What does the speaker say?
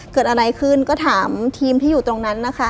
เกิดอะไรขึ้นก็ถามทีมที่อยู่ตรงนั้นนะคะ